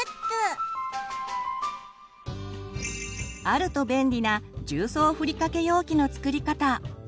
あると便利な重曹ふりかけ容器の作り方。